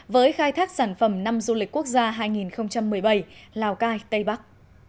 với khai thác sản phẩm năm du lịch quốc gia hai nghìn một mươi bảy lào cai tây bắc